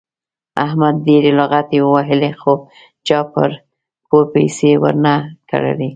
احمد ډېرې لغتې ووهلې خو چا پور پیسې ور نه کړلې.